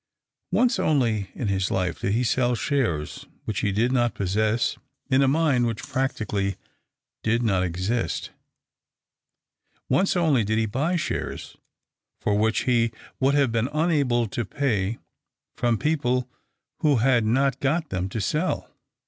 Once only in his life did he sell shares which he did not possess in a mine which practically did not exist ; once only did he buy shares for which he would have been unable to pay from people w^ho had not got them to sell.